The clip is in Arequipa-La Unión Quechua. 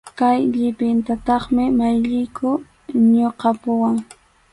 Kay llipintataqmi maqlliyku ñuqapuwan.